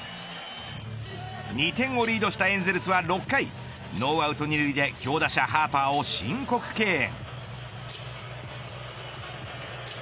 ２点をリードしたエンゼルスは６回ノーアウト二塁で強打者ハーパーを申告敬遠。